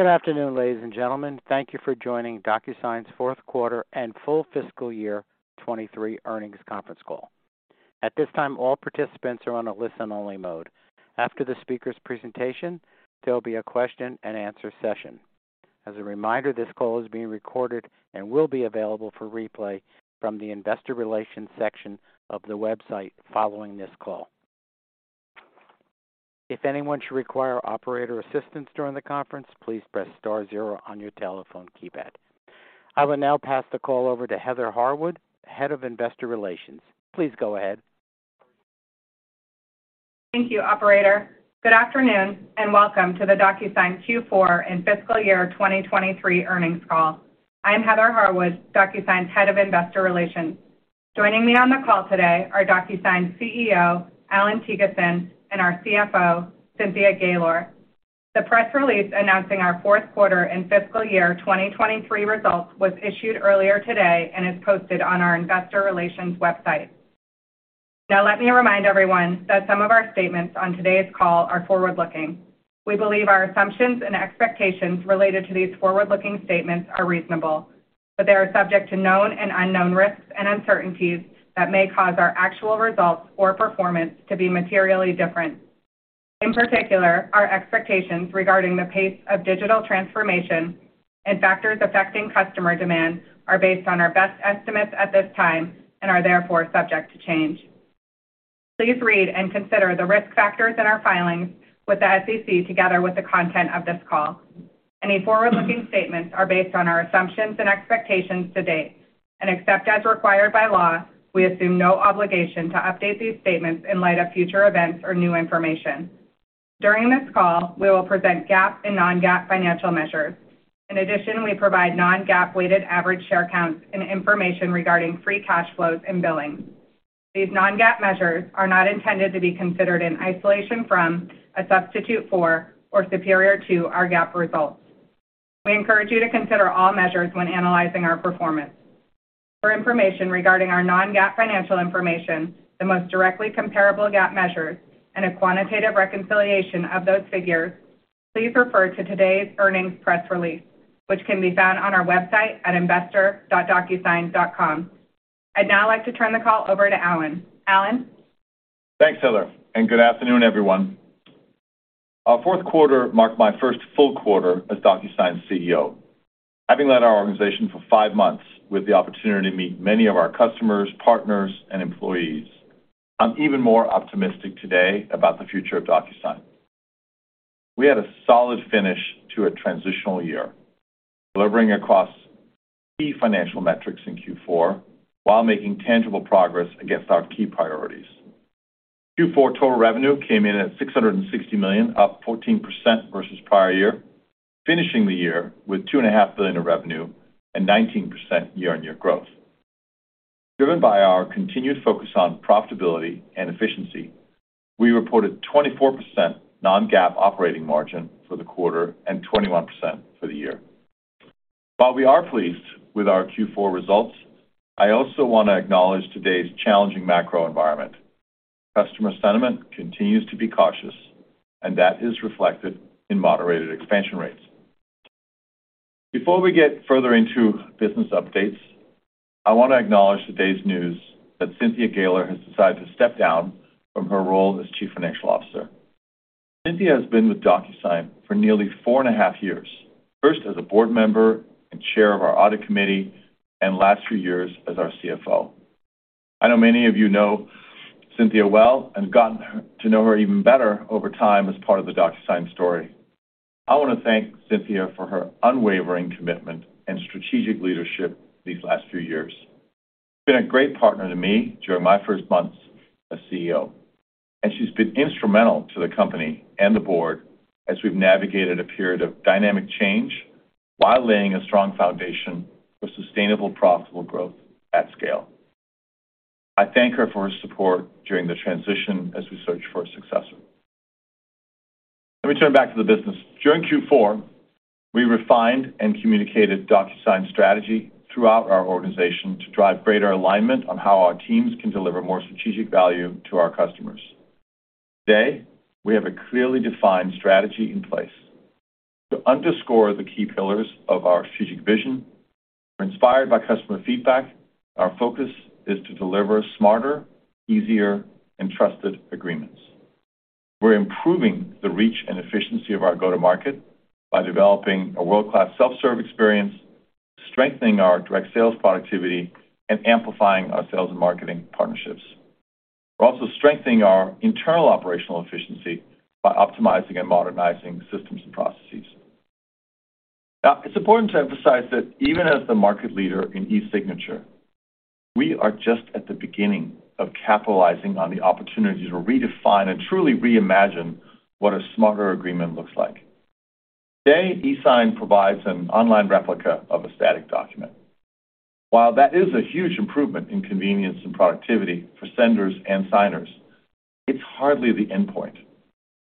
Good afternoon, ladies and gentlemen. Thank you for joining DocuSign's fourth quarter and full fiscal year 2023 earnings conference call. At this time, all participants are on a listen-only mode. After the speaker's presentation, there'll be a question and answer session. As a reminder, this call is being recorded and will be available for replay from the investor relations section of the website following this call. If anyone should require operator assistance during the conference, please press star zero on your telephone keypad. I will now pass the call over to Heather Harwood, Head of Investor Relations. Please go ahead. Thank you, operator. Good afternoon. Welcome to the DocuSign Q4 and fiscal year 2023 earnings call. I am Heather Harwood, DocuSign's Head of Investor Relations. Joining me on the call today are DocuSign's CEO, Allan Thygesen, and our CFO, Cynthia Gaylor. The press release announcing our fourth quarter and fiscal year 2023 results was issued earlier today and is posted on our investor relations website. Let me remind everyone that some of our statements on today's call are forward-looking. We believe our assumptions and expectations related to these forward-looking statements are reasonable, but they are subject to known and unknown risks and uncertainties that may cause our actual results or performance to be materially different. In particular, our expectations regarding the pace of digital transformation and factors affecting customer demand are based on our best estimates at this time and are therefore subject to change. Please read and consider the risk factors in our filings with the SEC together with the content of this call. Any forward-looking statements are based on our assumptions and expectations to date, and except as required by law, we assume no obligation to update these statements in light of future events or new information. During this call, we will present GAAP and non-GAAP financial measures. In addition, we provide non-GAAP weighted average share counts and information regarding free cash flows and billings. These non-GAAP measures are not intended to be considered in isolation from, a substitute for, or superior to our GAAP results. We encourage you to consider all measures when analyzing our performance. For information regarding our non-GAAP financial information, the most directly comparable GAAP measures, and a quantitative reconciliation of those figures, please refer to today's earnings press release, which can be found on our website at investor.DocuSign.com. I'd now like to turn the call over to Allan. Allan? Thanks, Heather. Good afternoon, everyone. Our fourth quarter marked my first full quarter as DocuSign's CEO. Having led our organization for five months with the opportunity to meet many of our customers, partners, and employees, I'm even more optimistic today about the future of DocuSign. We had a solid finish to a transitional year, delivering across key financial metrics in Q4 while making tangible progress against our key priorities. Q4 total revenue came in at $660 million, up 14% versus prior year, finishing the year with $2.5 Billion of revenue and 19% year-on-year growth. Driven by our continued focus on profitability and efficiency, we reported 24% non-GAAP operating margin for the quarter and 21% for the year. While we are pleased with our Q4 results, I also wanna acknowledge today's challenging macroenvironment. Customer sentiment continues to be cautious. That is reflected in moderated expansion rates. Before we get further into business updates, I wanna acknowledge today's news that Cynthia Gaylor has decided to step down from her role as Chief Financial Officer. Cynthia has been with DocuSign for nearly four and a half years, first as a board member and chair of our audit committee. Last few years as our CFO. I know many of you know Cynthia well and have gotten to know her even better over time as part of the DocuSign story. I wanna thank Cynthia for her unwavering commitment and strategic leadership these last few years. She's been a great partner to me during my first months as CEO, and she's been instrumental to the company and the board as we've navigated a period of dynamic change while laying a strong foundation for sustainable, profitable growth at scale. I thank her for her support during the transition as we search for a successor. Let me turn back to the business. During Q4, we refined and communicated DocuSign's strategy throughout our organization to drive greater alignment on how our teams can deliver more strategic value to our customers. Today, we have a clearly defined strategy in place. To underscore the key pillars of our strategic vision are inspired by customer feedback. Our focus is to deliver smarter, easier, and trusted agreements. We're improving the reach and efficiency of our go-to-market by developing a world-class self-serve experience, strengthening our direct sales productivity, and amplifying our sales and marketing partnerships. We're also strengthening our internal operational efficiency by optimizing and modernizing systems and processes. It's important to emphasize that even as the market leader in eSignature, we are just at the beginning of capitalizing on the opportunity to redefine and truly reimagine what a smarter agreement looks like. Today, eSignature provides an online replica of a static document. While that is a huge improvement in convenience and productivity for senders and signers, it's hardly the endpoint.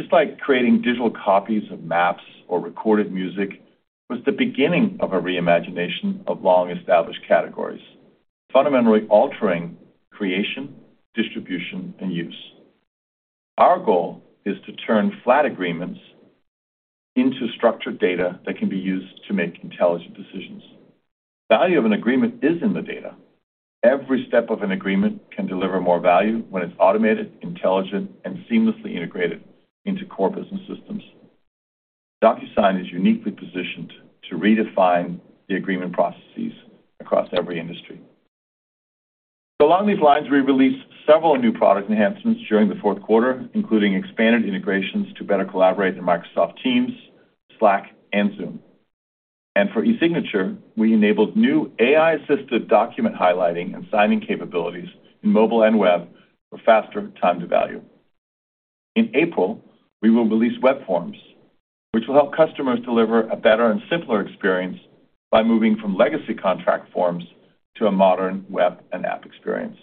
Just like creating digital copies of maps or recorded music was the beginning of a reimagination of long-established categories, fundamentally altering creation, distribution, and use. Our goal is to turn flat agreements into structured data that can be used to make intelligent decisions. Value of an agreement is in the data. Every step of an agreement can deliver more value when it's automated, intelligent, and seamlessly integrated into core business systems. DocuSign is uniquely positioned to redefine the agreement processes across every industry. Along these lines, we released several new product enhancements during the fourth quarter, including expanded integrations to better collaborate in Microsoft Teams, Slack, and Zoom. For eSignature, we enabled new AI-assisted document highlighting and signing capabilities in mobile and web for faster time to value. In April, we will release Web Forms, which will help customers deliver a better and simpler experience by moving from legacy contract forms to a modern web and app experience.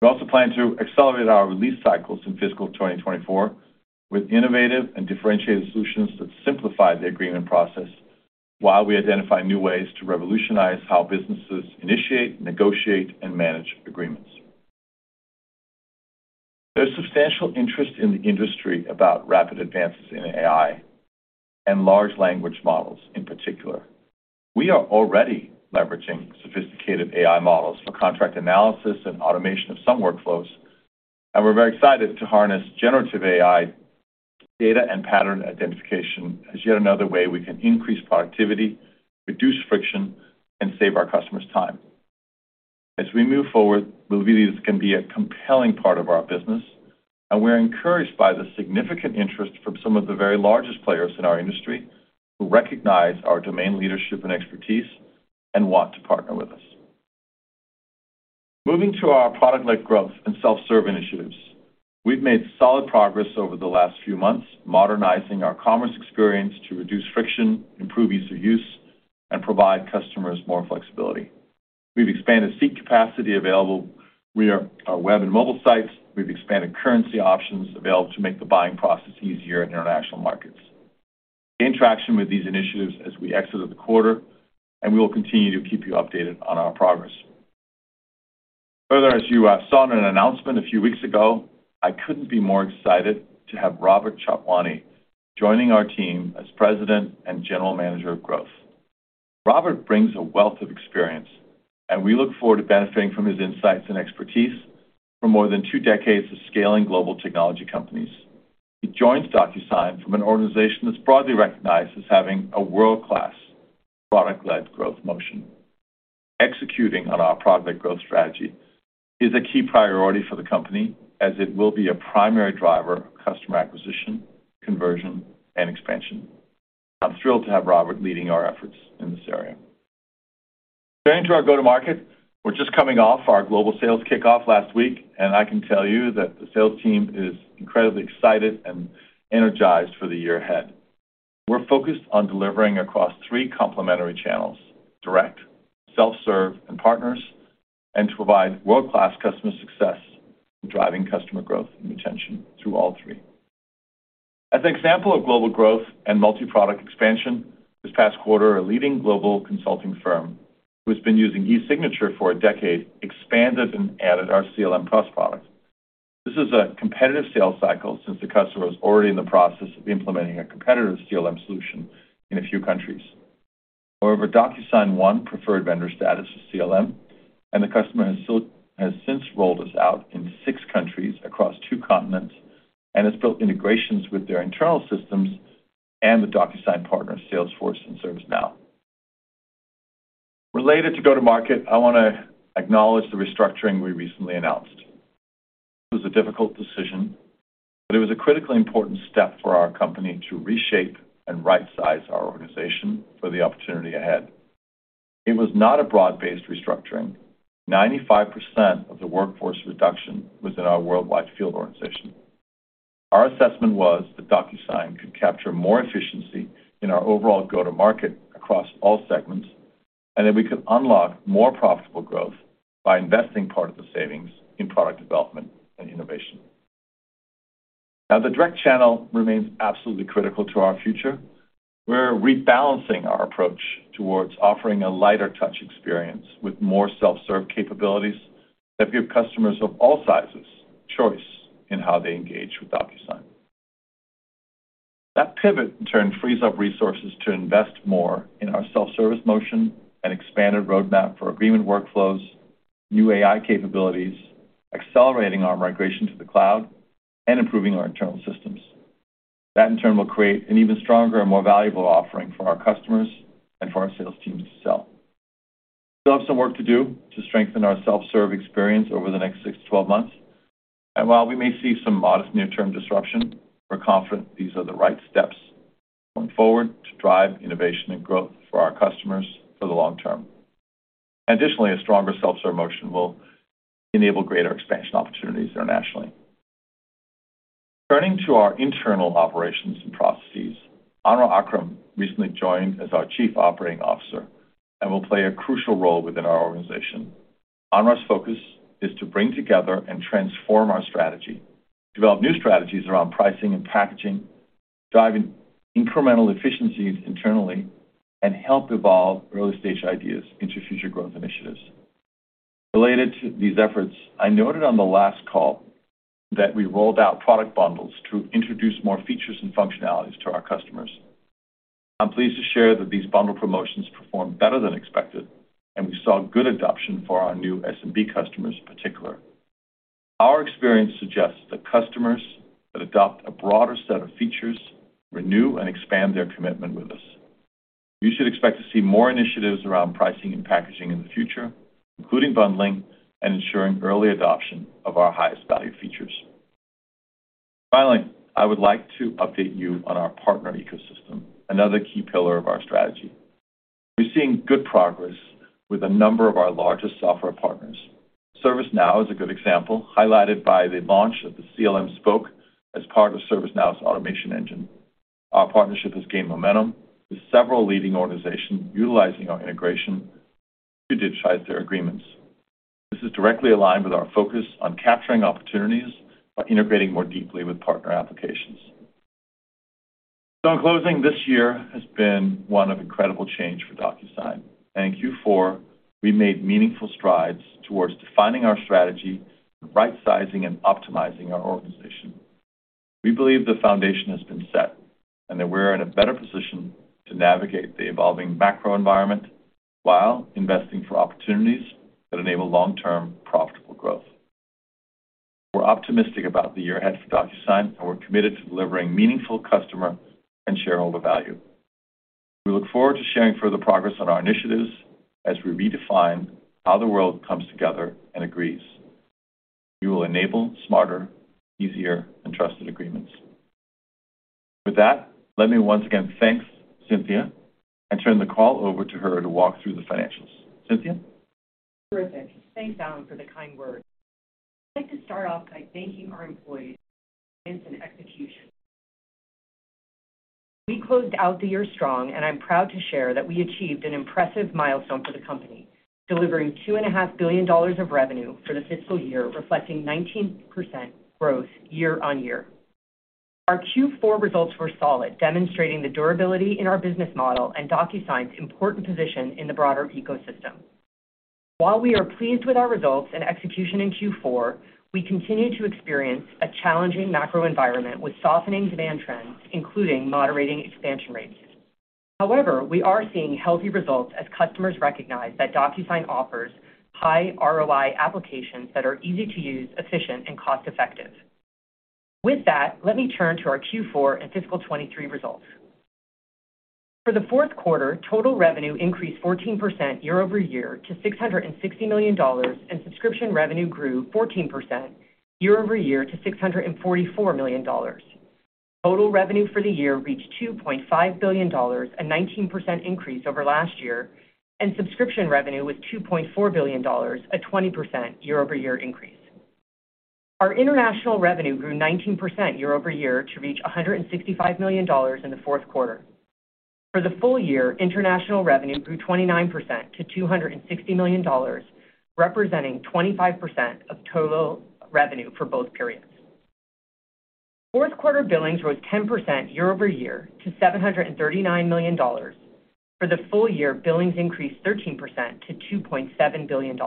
We also plan to accelerate our release cycles in fiscal 2024 with innovative and differentiated solutions that simplify the agreement process while we identify new ways to revolutionize how businesses initiate, negotiate, and manage agreements. There's substantial interest in the industry about rapid advances in AI and large language models in particular. We are already leveraging sophisticated AI models for contract analysis and automation of some workflows, and we're very excited to harness generative AI data and pattern identification as yet another way we can increase productivity, reduce friction, and save our customers time. As we move forward, we believe this can be a compelling part of our business, and we're encouraged by the significant interest from some of the very largest players in our industry who recognize our domain leadership and expertise and want to partner with us. Moving to our product-led growth and self-serve initiatives. We've made solid progress over the last few months, modernizing our commerce experience to reduce friction, improve ease of use, and provide customers more flexibility. We've expanded seat capacity available via our web and mobile sites. We've expanded currency options available to make the buying process easier in international markets. Interaction with these initiatives as we exited the quarter. We will continue to keep you updated on our progress. Further, as you saw in an announcement a few weeks ago, I couldn't be more excited to have Robert Chatwani joining our team as President and General Manager of Growth. Robert brings a wealth of experience, and we look forward to benefiting from his insights and expertise for more than two decades of scaling global technology companies. He joins DocuSign from an organization that's broadly recognized as having a world-class product-led growth motion. Executing on our product-led growth strategy is a key priority for the company as it will be a primary driver of customer acquisition, conversion, and expansion. I'm thrilled to have Robert leading our efforts in this area. Turning to our go-to-market, we're just coming off our global sales kickoff last week. I can tell you that the sales team is incredibly excited and energized for the year ahead. We're focused on delivering across three complementary channels: direct, self-serve, and partners, and to provide world-class customer success in driving customer growth and retention through all three. As an example of global growth and multi-product expansion, this past quarter, a leading global consulting firm who has been using eSignature for a decade expanded and added our CLM+ product. This is a competitive sales cycle since the customer was already in the process of implementing a competitive CLM solution in a few countries. However, DocuSign won preferred vendor status for CLM, and the customer has since rolled us out in six countries across two continents and has built integrations with their internal systems and the DocuSign partner, Salesforce and ServiceNow. Related to go-to-market, I wanna acknowledge the restructuring we recently announced. It was a difficult decision, but it was a critically important step for our company to reshape and right-size our organization for the opportunity ahead. It was not a broad-based restructuring. 95% of the workforce reduction was in our worldwide field organization. Our assessment was that DocuSign could capture more efficiency in our overall go-to-market across all segments, that we could unlock more profitable growth by investing part of the savings in product development and innovation. The direct channel remains absolutely critical to our future. We're rebalancing our approach towards offering a lighter touch experience with more self-serve capabilities that give customers of all sizes choice in how they engage with DocuSign. That pivot, in turn, frees up resources to invest more in our self-service motion and expanded roadmap for agreement workflows, new AI capabilities, accelerating our migration to the cloud, and improving our internal systems. That, in turn, will create an even stronger and more valuable offering for our customers and for our sales team to sell. We still have some work to do to strengthen our self-serve experience over the next six to 12 months, and while we may see some modest near-term disruption, we're confident these are the right steps going forward to drive innovation and growth for our customers for the long term. Additionally, a stronger self-serve motion will enable greater expansion opportunities internationally. Turning to our internal operations and processes, Anwar Akram recently joined as our Chief Operating Officer and will play a crucial role within our organization. Anwar's focus is to bring together and transform our strategy, develop new strategies around pricing and packaging, driving incremental efficiencies internally, and help evolve early-stage ideas into future growth initiatives. Related to these efforts, I noted on the last call that we rolled out product bundles to introduce more features and functionalities to our customers. I'm pleased to share that these bundle promotions performed better than expected, and we saw good adoption for our new SMB customers in particular. Our experience suggests that customers that adopt a broader set of features renew and expand their commitment with us. You should expect to see more initiatives around pricing and packaging in the future, including bundling and ensuring early adoption of our highest-value features. Finally, I would like to update you on our partner ecosystem, another key pillar of our strategy. We're seeing good progress with a number of our largest software partners. ServiceNow is a good example, highlighted by the launch of the CLM Spoke as part of ServiceNow's automation engine. Our partnership has gained momentum, with several leading organizations utilizing our integration to digitize their agreements. This is directly aligned with our focus on capturing opportunities by integrating more deeply with partner applications. In closing, this year has been one of incredible change for DocuSign. In Q4, we made meaningful strides towards defining our strategy and rightsizing and optimizing our organization. We believe the foundation has been set and that we're in a better position to navigate the evolving macro environment while investing for opportunities that enable long-term profitable growth. We're optimistic about the year ahead for DocuSign. We're committed to delivering meaningful customer and shareholder value. We look forward to sharing further progress on our initiatives as we redefine how the world comes together and agrees. We will enable smarter, easier, and trusted agreements. Let me once again thank Cynthia and turn the call over to her to walk through the financials. Cynthia? Terrific. Thanks, Allan, for the kind words. I'd like to start off by thanking our employees for their brilliance and execution. We closed out the year strong. I'm proud to share that we achieved an impressive milestone for the company, delivering $2.5 billion dollars of revenue for the fiscal year, reflecting 19% growth year-over-year. Our Q4 results were solid, demonstrating the durability in our business model and DocuSign's important position in the broader ecosystem. While we are pleased with our results and execution in Q4, we continue to experience a challenging macro environment with softening demand trends, including moderating expansion rates. We are seeing healthy results as customers recognize that DocuSign offers high ROI applications that are easy to use, efficient, and cost-effective. With that, let me turn to our Q4 and fiscal 23 results. For the fourth quarter, total revenue increased 14% year-over-year to $660 million, and subscription revenue grew 14% year-over-year to $644 million. Total revenue for the year reached $2.5 billion, a 19% increase over last year, and subscription revenue was $2.4 billion, a 20% year-over-year increase. Our international revenue grew 19% year-over-year to reach $165 million in the fourth quarter. For the full year, international revenue grew 29% to $260 million, representing 25% of total revenue for both periods. Fourth quarter billings rose 10% year-over-year to $739 million. For the full year, billings increased 13% to $2.7 billion.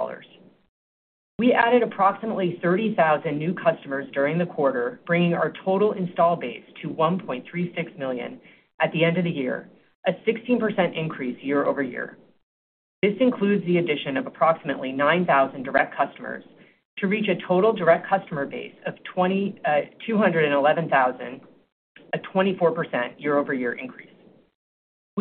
We added approximately 30,000 new customers during the quarter, bringing our total install base to 1.36 million at the end of the year, a 16% increase year-over-year. This includes the addition of approximately 9,000 direct customers to reach a total direct customer base of 211,000, a 24% year-over-year increase.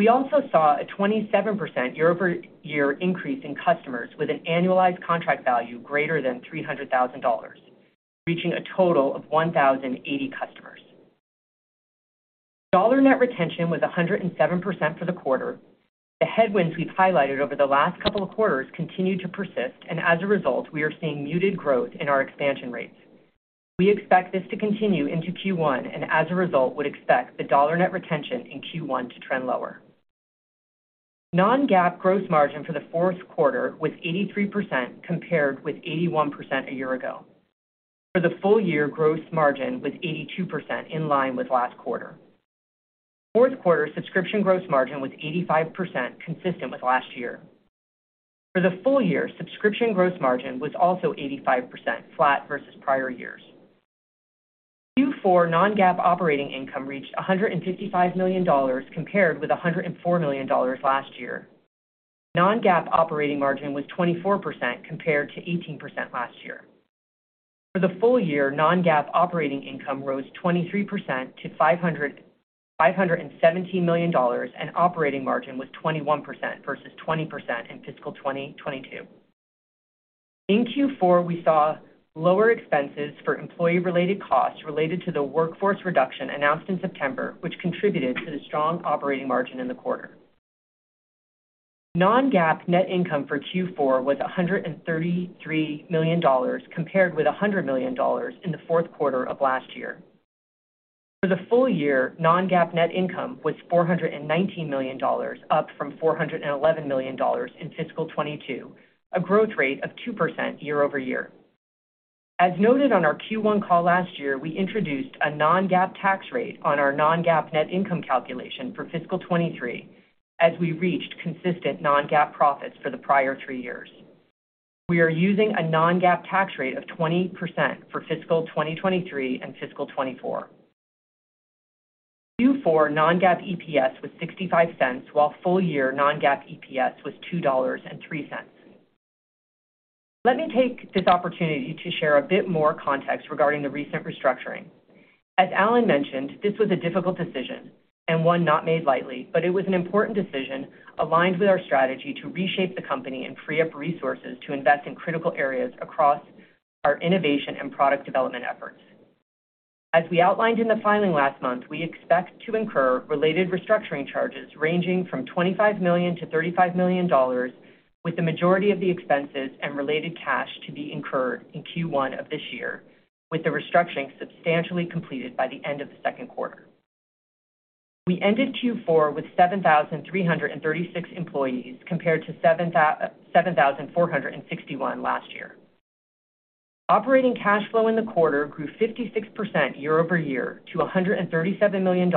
We also saw a 27% year-over-year increase in customers with an annualized contract value greater than $300,000, reaching a total of 1,080 customers. Dollar Net Retention was 107% for the quarter. The headwinds we've highlighted over the last couple of quarters continue to persist, and as a result, we are seeing muted growth in our expansion rates. We expect this to continue into Q1, and as a result, would expect the dollar net retention in Q1 to trend lower. Non-GAAP gross margin for the fourth quarter was 83%, compared with 81% a year ago. For the full year, gross margin was 82%, in line with last quarter. Fourth quarter subscription gross margin was 85%, consistent with last year. For the full year, subscription gross margin was also 85%, flat versus prior years. Q4 non-GAAP operating income reached $155 million, compared with $104 million last year. Non-GAAP operating margin was 24%, compared to 18% last year. For the full year, non-GAAP operating income rose 23% to $517 million, and operating margin was 21% versus 20% in fiscal 2022. In Q4, we saw lower expenses for employee-related costs related to the workforce reduction announced in September, which contributed to the strong operating margin in the quarter. Non-GAAP net income for Q4 was $133 million, compared with $100 million in the fourth quarter of last year. For the full year, non-GAAP net income was $419 million, up from $411 million in fiscal 2022, a growth rate of 2% year-over-year. As noted on our Q1 call last year, we introduced a non-GAAP tax rate on our non-GAAP net income calculation for fiscal 2023 as we reached consistent non-GAAP profits for the prior three years. We are using a non-GAAP tax rate of 20% for fiscal 2023 and fiscal 2024. Q4 non-GAAP EPS was $0.65, while full year non-GAAP EPS was $2.03. Let me take this opportunity to share a bit more context regarding the recent restructuring. As Allan mentioned, this was a difficult decision and one not made lightly, but it was an important decision aligned with our strategy to reshape the company and free up resources to invest in critical areas across our innovation and product development efforts. As we outlined in the filing last month, we expect to incur related restructuring charges ranging from $25 million-$35 million, with the majority of the expenses and related cash to be incurred in Q1 of this year, with the restructuring substantially completed by the end of the second quarter. We ended Q4 with 7,336 employees, compared to 7,461 last year. Operating cash flow in the quarter grew 56% year-over-year to $137 million,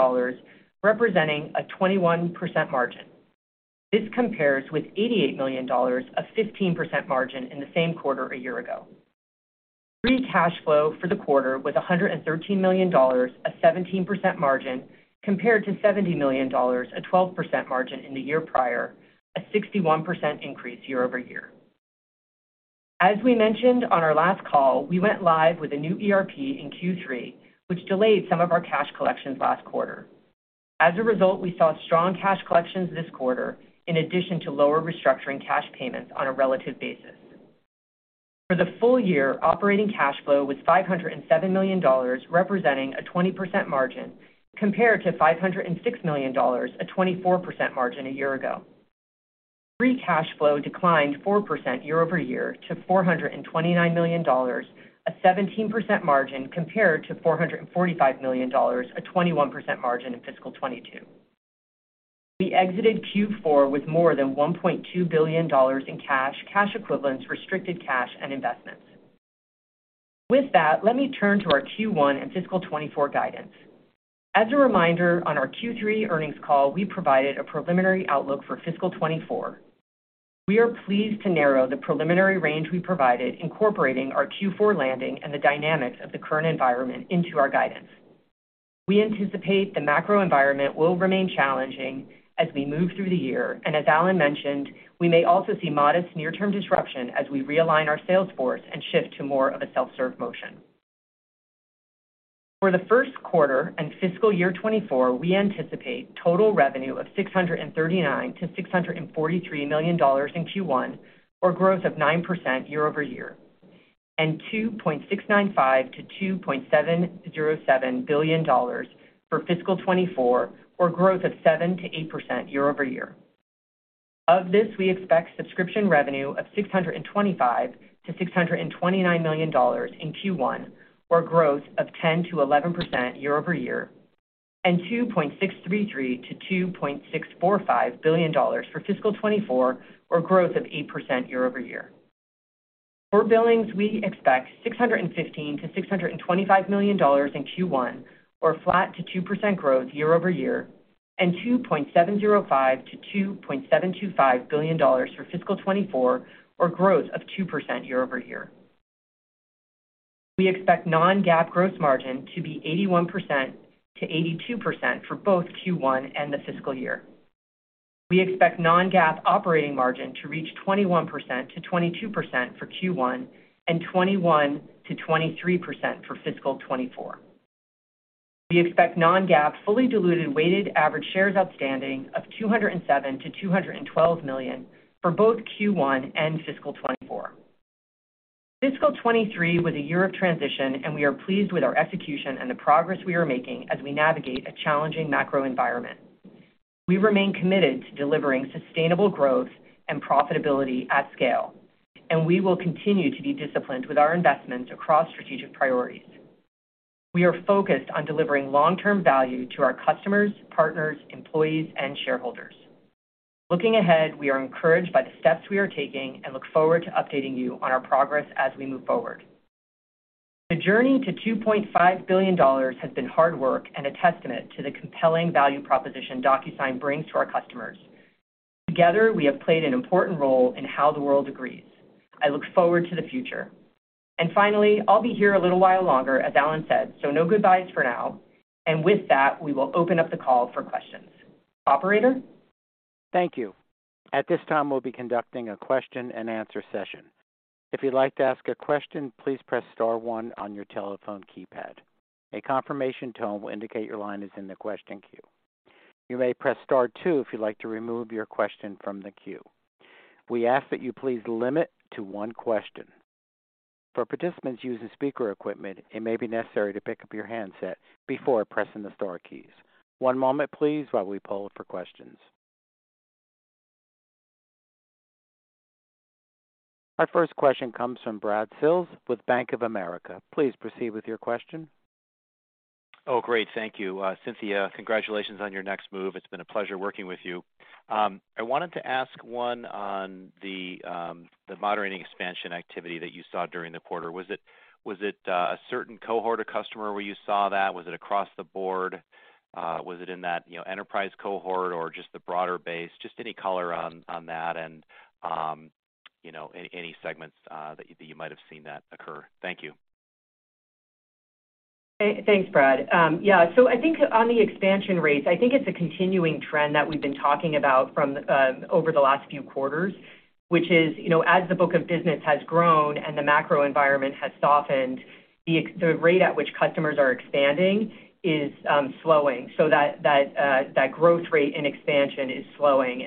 representing a 21% margin. This compares with $88 million, a 15% margin in the same quarter a year ago. Free cash flow for the quarter was $113 million, a 17% margin compared to $70 million, a 12% margin in the year prior, a 61% increase year-over-year. As we mentioned on our last call, we went live with a new ERP in Q3, which delayed some of our cash collections last quarter. As a result, we saw strong cash collections this quarter, in addition to lower restructuring cash payments on a relative basis. For the full year, operating cash flow was $507 million, representing a 20% margin compared to $506 million, a 24% margin a year ago. Free cash flow declined 4% year-over-year to $429 million, a 17% margin compared to $445 million, a 21% margin in fiscal 2022. We exited Q4 with more than $1.2 billion in cash equivalents, restricted cash and investments. Let me turn to our Q1 and fiscal 2024 guidance. As a reminder, on our Q3 earnings call, we provided a preliminary outlook for fiscal 2024. We are pleased to narrow the preliminary range we provided, incorporating our Q4 landing and the dynamics of the current environment into our guidance. We anticipate the macro environment will remain challenging as we move through the year. As Allan mentioned, we may also see modest near term disruption as we realign our sales force and shift to more of a self-serve motion. For the first quarter and fiscal year 2024, we anticipate total revenue of $639 million-$643 million in Q1, or growth of 9% year-over-year, and $2.695 billion-$2.707 billion for fiscal 2024, or growth of 7%-8% year-over-year. Of this, we expect subscription revenue of $625 million-$629 million in Q1, or growth of 10%-11% year-over-year, and $2.633 billion-$2.645 billion for fiscal 2024, or growth of 8% year-over-year. For billings, we expect $615 million-$625 million in Q1 or flat to 2% growth year-over-year, and $2.705 billion-$2.725 billion for fiscal 2024 or growth of 2% year-over-year. We expect non-GAAP gross margin to be 81%-82% for both Q1 and the fiscal year. We expect non-GAAP operating margin to reach 21%-22% for Q1 and 21%-23% for fiscal 2024. We expect non-GAAP fully diluted weighted average shares outstanding of 207 million-212 million for both Q1 and fiscal 2024. Fiscal 2023 was a year of transition and we are pleased with our execution and the progress we are making as we navigate a challenging macro environment. We remain committed to delivering sustainable growth and profitability at scale. We will continue to be disciplined with our investments across strategic priorities. We are focused on delivering long term value to our customers, partners, employees and shareholders. Looking ahead, we are encouraged by the steps we are taking and look forward to updating you on our progress as we move forward. The journey to $2.5 billion has been hard work and a testament to the compelling value proposition DocuSign brings to our customers. Together, we have played an important role in how the world agrees. Finally, I'll be here a little while longer, as Allan said, so no goodbyes for now. With that, we will open up the call for questions. Operator? Thank you. At this time, we'll be conducting a question and answer session. If you'd like to ask a question, please press star one on your telephone keypad. A confirmation tone will indicate your line is in the question queue. You may press star two if you'd like to remove your question from the queue. We ask that you please limit to one question. For participants using speaker equipment, it may be necessary to pick up your handset before pressing the star keys. One moment, please, while we poll for questions. Our first question comes from Brad Sills with Bank of America. Please proceed with your question. Great. Thank you. Cynthia, congratulations on your next move. It's been a pleasure working with you. I wanted to ask one on the moderating expansion activity that you saw during the quarter. Was it a certain cohort or customer where you saw that? Was it across the board? Was it in that, you know, enterprise cohort or just the broader base? Just any color on that and, you know, any segments that you might have seen that occur. Thank you. Thanks, Brad. Yeah. I think on the expansion rates, I think it's a continuing trend that we've been talking about from over the last few quarters, which is, you know, as the book of business has grown and the macro environment has softened, the rate at which customers are expanding is slowing. That growth rate in expansion is slowing.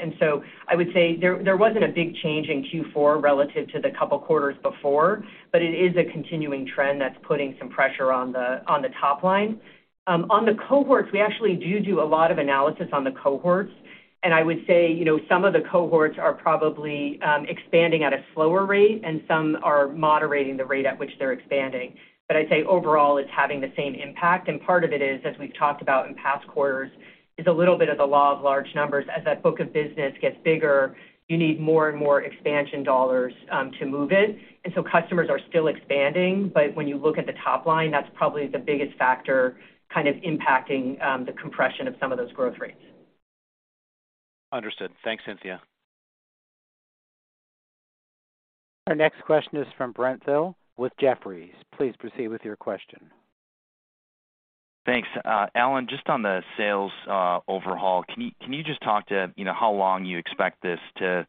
I would say there wasn't a big change in Q4 relative to the couple quarters before, but it is a continuing trend that's putting some pressure on the top line. On the cohorts, we actually do a lot of analysis on the cohorts. I would say, you know, some of the cohorts are probably expanding at a slower rate, and some are moderating the rate at which they're expanding. I'd say overall, it's having the same impact. Part of it is, as we've talked about in past quarters, is a little bit of the law of large numbers. As that book of business gets bigger, you need more and more expansion dollars to move it. Customers are still expanding, but when you look at the top line, that's probably the biggest factor kind of impacting the compression of some of those growth rates. Understood. Thanks, Cynthia. Our next question is from Brent Thill with Jefferies. Please proceed with your question. Thanks. Allan, just on the sales overhaul, can you just talk to, you know, how long you expect this to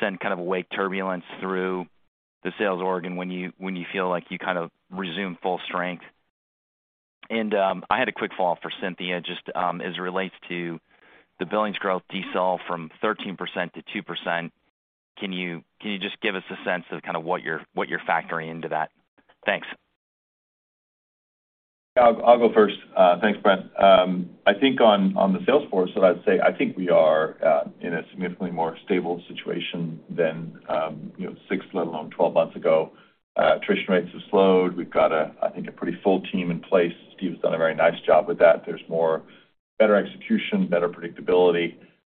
send kind of a wake turbulence through the sales org, and when you feel like you kind of resume full strength? I had a quick follow-up for Cynthia, just as it relates to the billings growth decelerate from 13% to 2%, can you just give us a sense of kinda what you're factoring into that? Thanks. I'll go first. Thanks, Brent. I think on the Salesforce, I'd say I think we are in a significantly more stable situation than, you know, six, let alone 12 months ago. Attrition rates have slowed. We've got a, I think, a pretty full team in place. Steve's done a very nice job with that. There's more better execution, better predictability.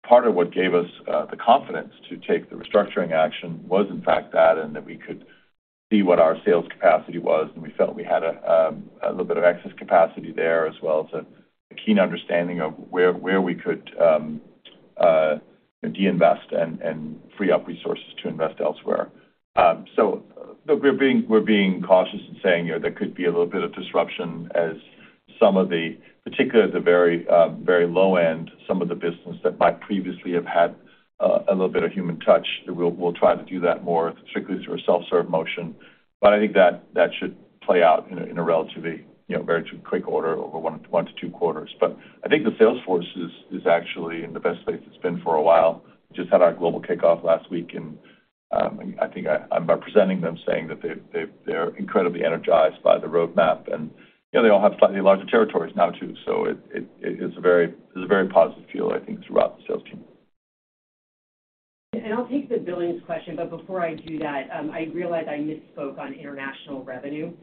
Part of what gave us the confidence to take the restructuring action was, in fact, that, and that we could see what our sales capacity was, and we felt we had a little bit of excess capacity there, as well as a keen understanding of where we could, you know, de-invest and free up resources to invest elsewhere. Look, we're being cautious in saying, you know, there could be a little bit of disruption as some of the particularly at the very, very low end, some of the business that might previously have had a little bit of human touch. We'll try to do that more strictly through a self-serve motion. I think that should play out in a relatively, you know, very quick order over one to two quarters. I think the sales force is actually in the best place it's been for a while. Just had our global kickoff last week and I think I'm representing them saying that they're incredibly energized by the roadmap and, you know, they all have slightly larger territories now too. It's a very positive feel, I think, throughout the sales team. I'll take the billings question, but before I do that, I realize I misspoke on international revenue.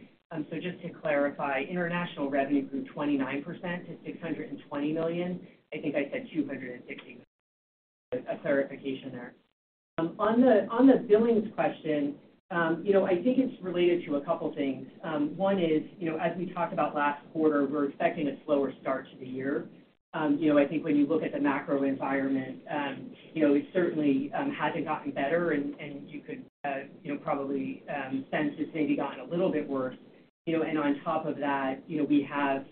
Just to clarify, international revenue grew 29% to $620 million. I think I said $260. A clarification there. On the billings question, you know, I think it's related to a couple things. One is, you know, as we talked about last quarter, we're expecting a slower start to the year. You know, I think when you look at the macro environment, you know, it certainly hasn't gotten better and you could, you know, probably sense it's maybe gotten a little bit worse. You know, on top of that, you know, we have,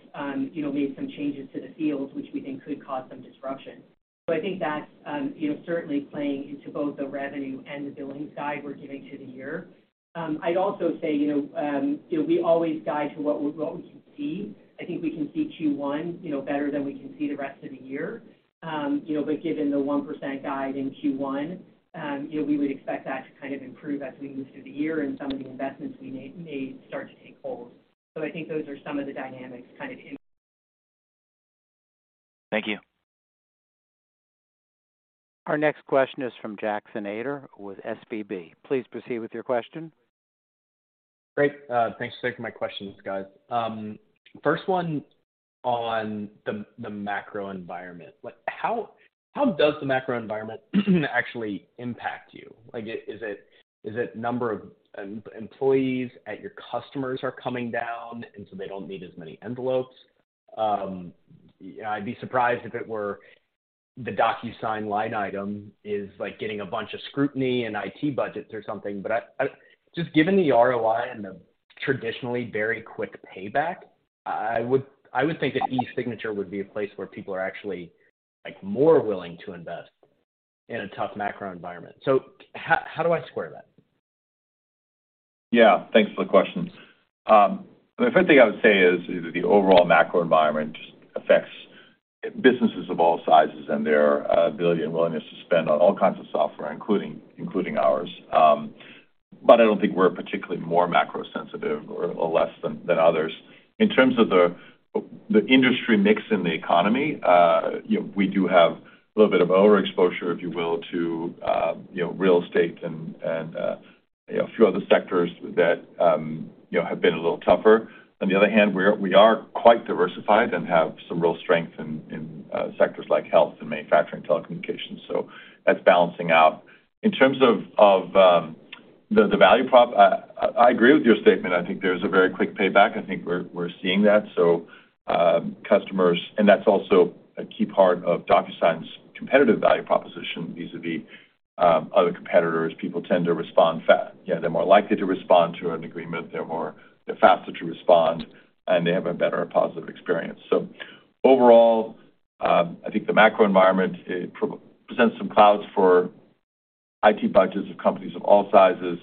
you know, made some changes to the field, which we think could cause some disruption. I think that's, you know, certainly playing into both the revenue and the billing side we're giving to the year. I'd also say, you know, we always guide to what we, what we can see. I think we can see Q1, you know, better than we can see the rest of the year. You know, given the 1% guide in Q1, you know, we would expect that to kind of improve as we move through the year and some of the investments we made may start to take hold. I think those are some of the dynamics. Thank you. Our next question is from Jackson Ader with SVB. Please proceed with your question. Great. Thanks for my questions, guys. First one on the macro environment. Like, how does the macro environment actually impact you? Like, is it number of employees at your customers are coming down, and so they don't need as many envelopes? I'd be surprised if it were the DocuSign line item is, like, getting a bunch of scrutiny in IT budgets or something. I Just given the ROI and the traditionally very quick payback, I would think that e-signature would be a place where people are actually, like, more willing to invest in a tough macro environment. How do I square that? Yeah. Thanks for the question. The first thing I would say is the overall macro environment just affects businesses of all sizes and their ability and willingness to spend on all kinds of software, including ours. I don't think we're particularly more macro sensitive or less than others. In terms of the industry mix in the economy, you know, we do have a little bit of overexposure, if you will, to, you know, real estate and a few other sectors that, you know, have been a little tougher. On the other hand, we are quite diversified and have some real strength in sectors like health and manufacturing, telecommunications. That's balancing out. In terms of the value prop, I agree with your statement. I think there's a very quick payback. I think we're seeing that. That's also a key part of DocuSign's competitive value proposition vis-à-vis other competitors. People tend to respond, you know, they're more likely to respond to an agreement, they're faster to respond, and they have a better positive experience. Overall, I think the macro environment, it pre-presents some clouds for IT budgets of companies of all sizes.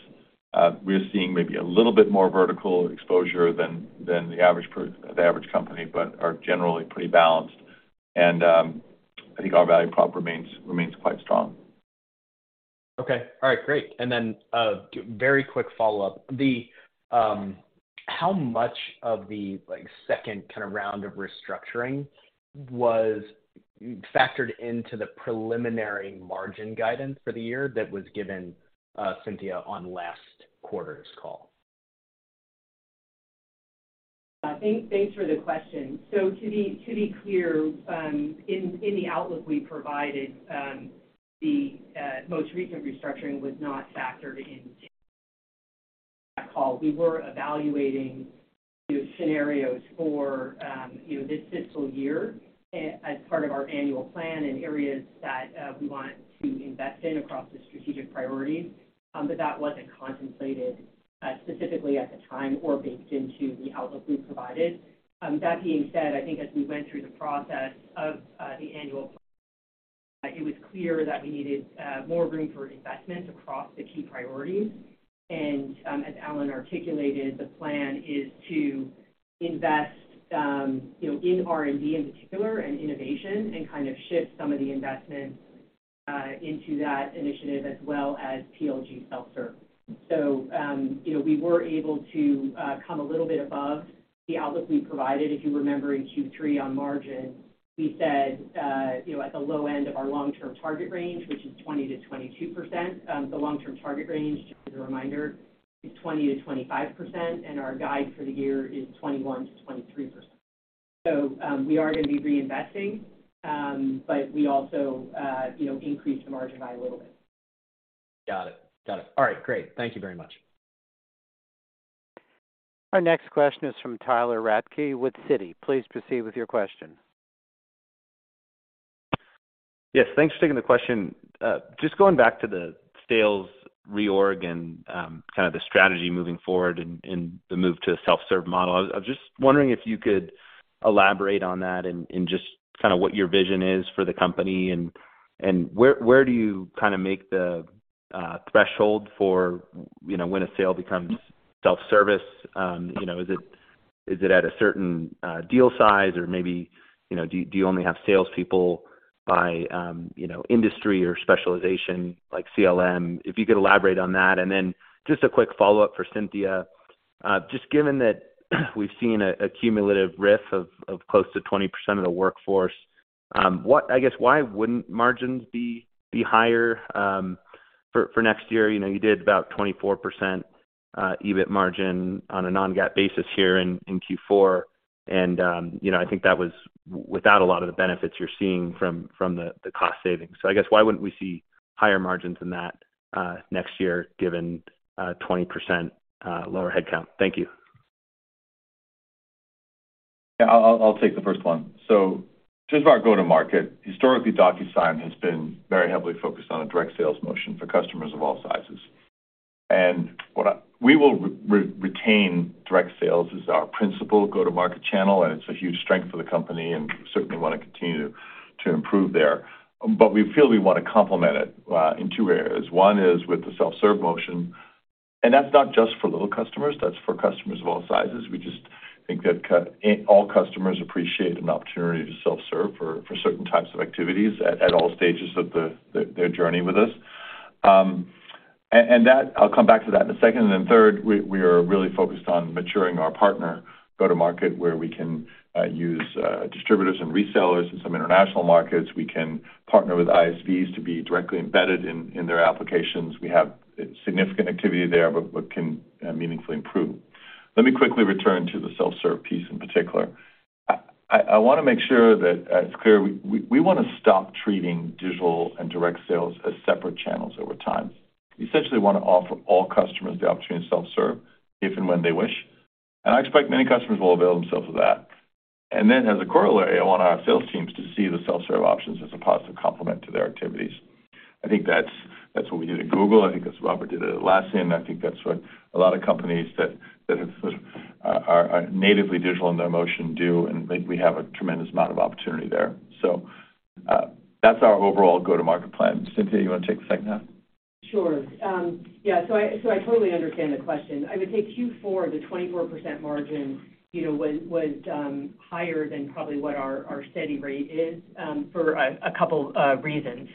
We're seeing maybe a little bit more vertical exposure than the average company, but are generally pretty balanced. I think our value prop remains quite strong. Okay. All right, great. A very quick follow-up. The, how much of the, like, 2nd kind of round of restructuring was factored into the preliminary margin guidance for the year that was given, Cynthia on last quarter's call? Thanks, thanks for the question. To be clear, in the outlook we provided, the most recent restructuring was not factored into that call. We were evaluating scenarios for, you know, this fiscal year as part of our annual plan and areas that we wanted to invest in across the strategic priorities. That wasn't contemplated specifically at the time or baked into the outlook we provided. That being said, I think as we went through the process of the annual plan, it was clear that we needed more room for investment across the key priorities. As Allan articulated, the plan is to invest, you know, in R&D in particular and innovation and kind of shift some of the investment into that initiative as well as PLG self-serve. You know, we were able to come a little bit above the outlook we provided. If you remember in Q3 on margin, we said, you know, at the low end of our long-term target range, which is 20%-22%, the long-term target range, just as a reminder, is 20%-25%, and our guide for the year is 21%-23%. We are gonna be reinvesting, but we also, you know, increased the margin by a little bit. Got it. All right, great. Thank you very much. Our next question is from Tyler Radke with Citi. Please proceed with your question. Yes, thanks for taking the question. Just going back to the sales reorg and kind of the strategy moving forward and the move to a self-serve model. I was just wondering if you could elaborate on that and just kinda what your vision is for the company, and where do you kinda make the threshold for, you know, when a sale becomes self-service? You know, is it at a certain deal size or maybe, you know, do you only have salespeople by, you know, industry or specialization like CLM? If you could elaborate on that. Just a quick follow-up for Cynthia. Just given that we've seen a cumulative RIF of close to 20% of the workforce, I guess why wouldn't margins be higher for next year? You know, you did about 24% EBIT margin on a non-GAAP basis here in Q4. You know, I think that was without a lot of the benefits you're seeing from the cost savings. I guess why wouldn't we see higher margins than that next year, given 20% lower headcount? Thank you. Yeah. I'll take the first one. Just about go-to-market, historically, DocuSign has been very heavily focused on a direct sales motion for customers of all sizes. We will retain direct sales as our principal go-to-market channel, and it's a huge strength for the company and certainly wanna continue to improve there. We feel we wanna complement it in two areas. One is with the self-serve motion, and that's not just for little customers, that's for customers of all sizes. We just think that all customers appreciate an opportunity to self-serve for certain types of activities at all stages of their journey with us. I'll come back to that in a second. Third, we are really focused on maturing our partner go-to-market, where we can use distributors and resellers. In some international markets, we can partner with ISVs to be directly embedded in their applications. We have significant activity there but can meaningfully improve. Let me quickly return to the self-serve piece in particular. I wanna make sure that it's clear, we wanna stop treating digital and direct sales as separate channels over time. We essentially wanna offer all customers the opportunity to self-serve if and when they wish. I expect many customers will avail themselves of that. As a corollary, I want our sales teams to see the self-serve options as a positive complement to their activities. I think that's what we did at Google, I think that's what Robert did at Atlassian, I think that's what a lot of companies that have, sort of, are natively digital in their motion do, and think we have a tremendous amount of opportunity there. That's our overall go-to-market plan. Cynthia, you wanna take the second half? Sure. Yeah. I totally understand the question. I would say Q4, the 24% margin, you know, was higher than probably what our steady rate is for a couple of reasons.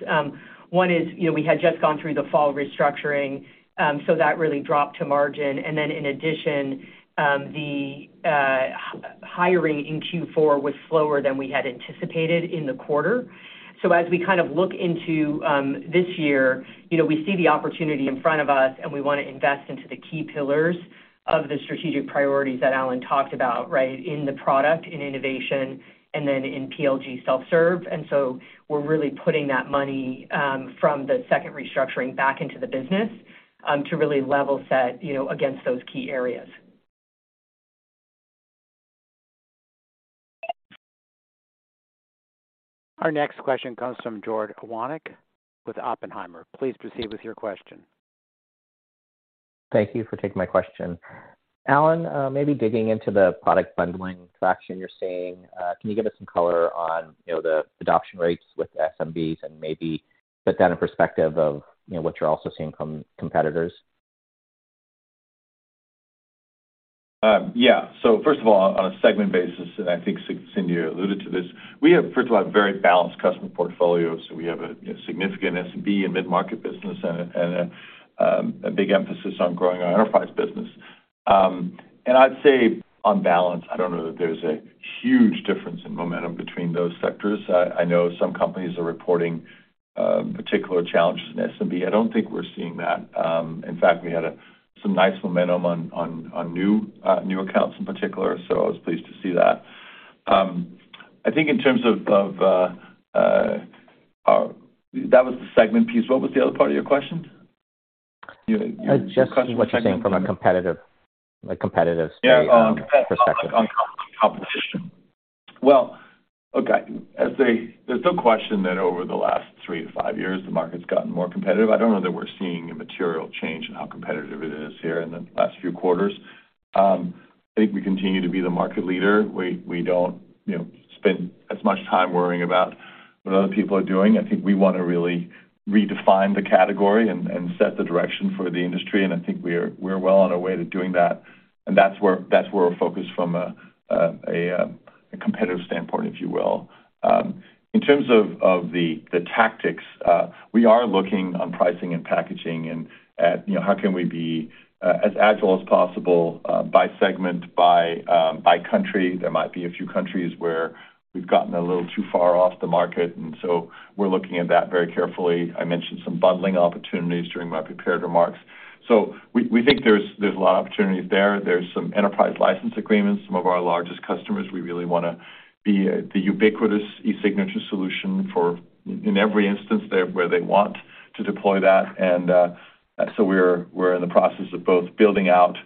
One is, you know, we had just gone through the fall restructuring, that really dropped to margin. In addition, Hiring in Q4 was slower than we had anticipated in the quarter. As we kind of look into this year, you know, we see the opportunity in front of us, and we wanna invest into the key pillars of the strategic priorities that Allan talked about, right? In the product, in innovation, in PLG self-serve. We're really putting that money from the second restructuring back into the business to really level set, you know, against those key areas. Our next question comes from George Iwanyc with Oppenheimer. Please proceed with your question. Thank you for taking my question. Allan, maybe digging into the product bundling traction you're seeing, can you give us some color on, you know, the adoption rates with SMBs and maybe put that in perspective of, you know, what you're also seeing from competitors? Yeah. First of all, on a segment basis, and I think Cindy alluded to this, we have, first of all, a very balanced customer portfolio. We have a significant SMB and mid-market business and a big emphasis on growing our enterprise business. I'd say, on balance, I don't know that there's a huge difference in momentum between those sectors. I know some companies are reporting particular challenges in SMB. I don't think we're seeing that. In fact, we had some nice momentum on new accounts in particular, so I was pleased to see that. I think in terms of our... That was the segment piece. What was the other part of your question? Your question? Just what you're seeing from a competitive sort of perspective. Yeah. On competition. Well, okay. I'd say there's no question that over the last three to five years, the market's gotten more competitive. I don't know that we're seeing a material change in how competitive it is here in the last few quarters. I think we continue to be the market leader. We don't, you know, spend as much time worrying about what other people are doing. I think we wanna really redefine the category and set the direction for the industry, and I think we're well on our way to doing that. That's where we're focused from a competitive standpoint, if you will. In terms of the tactics, we are looking on pricing and packaging and at, you know, how can we be as agile as possible by segment, by country. There might be a few countries where we've gotten a little too far off the market, we're looking at that very carefully. I mentioned some bundling opportunities during my prepared remarks. We think there's a lot of opportunities there. There's some enterprise license agreements. Some of our largest customers, we really wanna be the ubiquitous eSignature solution for in every instance there where they want to deploy that. So we're in the process of both building out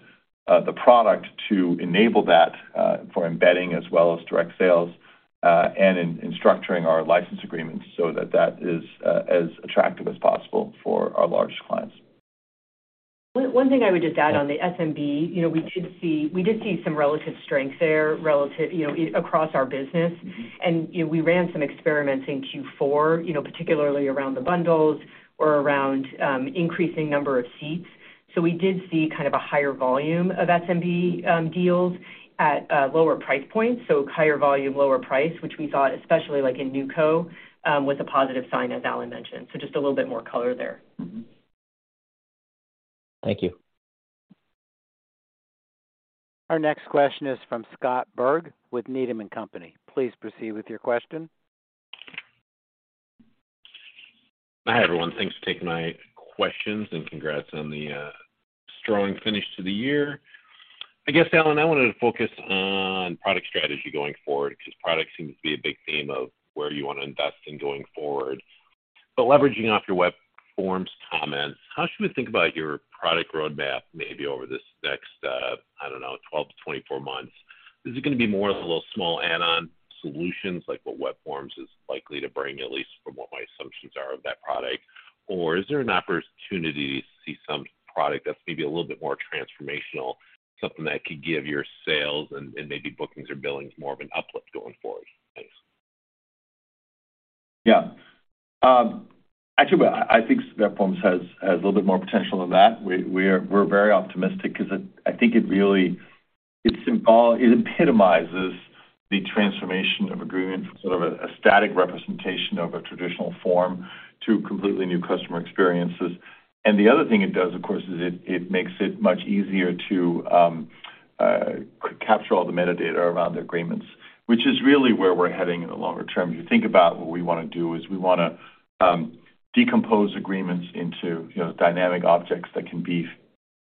the product to enable that for embedding as well as direct sales and in structuring our license agreements so that that is as attractive as possible for our largest clients. One thing I would just add on the SMB, you know, we did see some relative strength there relative, you know, across our business. You know, we ran some experiments in Q4, you know, particularly around the bundles or around increasing number of seats. We did see kind of a higher volume of SMB deals at lower price points, so higher volume, lower price, which we thought, especially like in NewCo, was a positive sign, as Allan mentioned. Just a little bit more color there. Thank you. Our next question is from Scott Berg with Needham & Company. Please proceed with your question. Hi, everyone. Thanks for taking my questions, and congrats on the strong finish to the year. I guess, Allan, I wanted to focus on product strategy going forward 'cause product seems to be a big theme of where you wanna invest in going forward. Leveraging off your Web Forms comments, how should we think about your product roadmap maybe over this next, I don't know, 12-24 months? Is it gonna be more of a little small add-on solutions like what Web Forms is likely to bring, at least from what my assumptions are of that product? Is there an opportunity to see some product that's maybe a little bit more transformational, something that could give your sales and maybe bookings or billings more of an uplift going forward? Thanks. Yeah. Actually, I think Web Forms has a little bit more potential than that. We're very optimistic 'cause it, I think it really, it epitomizes the transformation of agreement from sort of a static representation of a traditional form to completely new customer experiences. The other thing it does, of course, is it makes it much easier to capture all the metadata around the agreements, which is really where we're heading in the longer term. If you think about what we wanna do is we wanna decompose agreements into, you know, dynamic objects that can be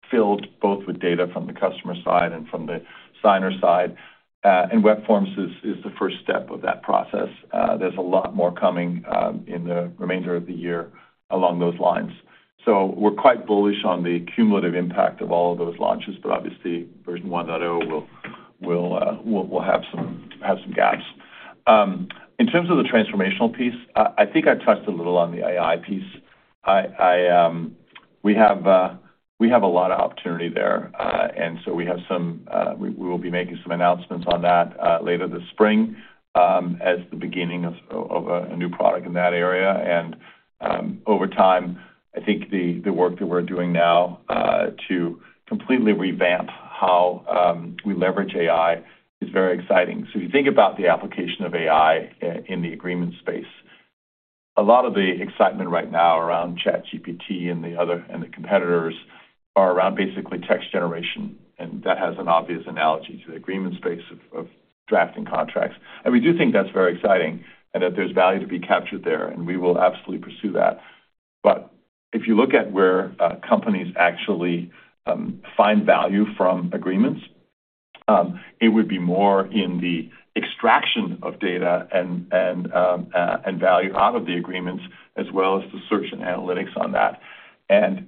filled both with data from the customer side and from the signer side. Web Forms is the first step of that process. There's a lot more coming in the remainder of the year along those lines. We're quite bullish on the cumulative impact of all of those launches, but obviously version 1.0 will have some gaps. In terms of the transformational piece, I think I touched a little on the AI piece. I... We have a lot of opportunity there, and so we have some, we will be making some announcements on that later this spring, as the beginning of a new product in that area. Over time, I think the work that we're doing now to completely revamp how we leverage AI is very exciting. If you think about the application of AI in the agreement space. A lot of the excitement right now around ChatGPT and the competitors are around basically text generation, and that has an obvious analogy to the agreement space of drafting contracts. We do think that's very exciting and that there's value to be captured there, and we will absolutely pursue that. If you look at where companies actually find value from agreements, it would be more in the extraction of data and value out of the agreements, as well as the search and analytics on that.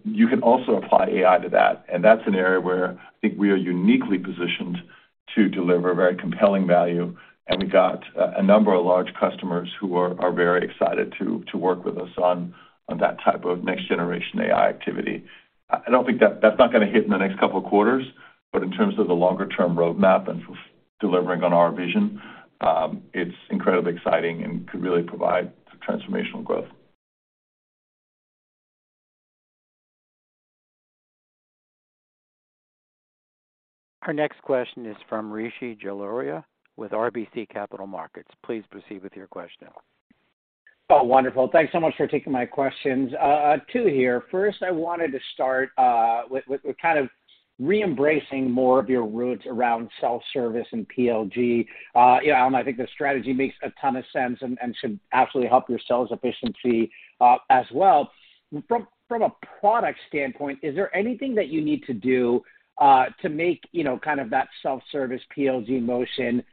You can also apply AI to that, and that's an area where I think we are uniquely positioned to deliver very compelling value. We got a number of large customers who are very excited to work with us on that type of next-generation AI activity. I don't think that's not gonna hit in the next couple of quarters, but in terms of the longer-term roadmap and delivering on our vision, it's incredibly exciting and could really provide some transformational growth. Our next question is from Rishi Jaluria with RBC Capital Markets. Please proceed with your question. Oh, wonderful. Thanks so much for taking my questions. two here. First, I wanted to start with kind of re-embracing more of your roots around self-service and PLG. You know, I think the strategy makes a ton of sense and should absolutely help your sales efficiency as well. From a product standpoint, is there anything that you need to do to make, you know, kind of that self-service PLG motion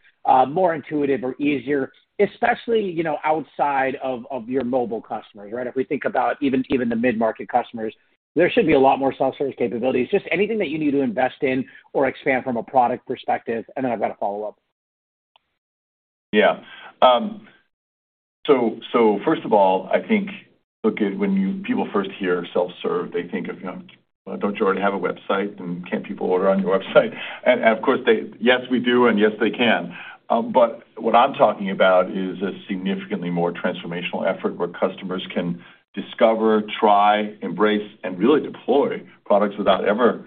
more intuitive or easier, especially, you know, outside of your mobile customers, right? If we think about even the mid-market customers, there should be a lot more self-service capabilities. Just anything that you need to invest in or expand from a product perspective, then I've got a follow-up. Yeah. So first of all, I think, look at when people first hear self-serve, they think of, you know, "Well, don't you already have a website, and can't people order on your website?" Of course, yes, we do, and yes, they can. What I'm talking about is a significantly more transformational effort where customers can discover, try, embrace, and really deploy products without ever